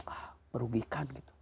ah merugikan gitu